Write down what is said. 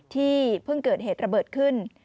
ที่เพิ่งเกิดเหตุระเบิดขึ้น